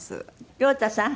良太さん？